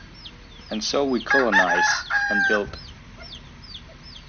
And so we colonize, and build.